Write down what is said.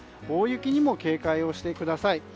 大雪にも警戒をしてください。